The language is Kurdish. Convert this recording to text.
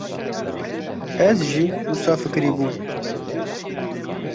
- Ez jî wisa fikirîbûm.